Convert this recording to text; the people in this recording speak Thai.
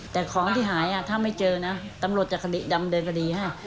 แต่ของที่หายถ้าไม่เจอนะตำรวจจะคดีดำเนินคดีให้